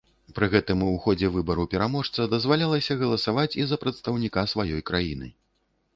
Пры гэтым у ходзе выбару пераможца дазвалялася галасаваць і за прадстаўніка сваёй краіны.